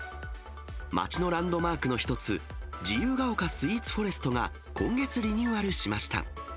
街のランドマークの一つ、自由が丘スイーツフォレストが今月リニューアルしました。